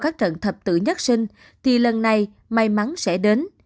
các trận thập tử nhất sinh thì lần này may mắn sẽ đến